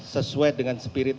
sesuai dengan spirit